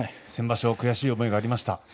先場所は悔しい思いがありました。